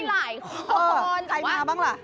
ใครมาบ้างล่ะ